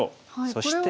そして。